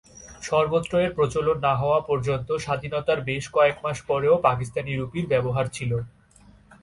সর্বত্র এর প্রচলন না হওয়া পর্যন্ত স্বাধীনতার বেশ কয়েক মাস পরেও পাকিস্তানি রুপির ব্যবহার ছিল।